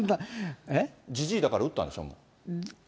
じじいだから打ったんでしょ？